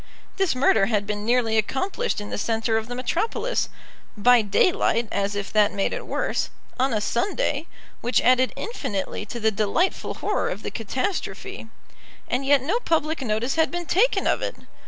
This murder had been nearly accomplished in the centre of the metropolis, by daylight, as if that made it worse, on a Sunday, which added infinitely to the delightful horror of the catastrophe; and yet no public notice had been taken of it!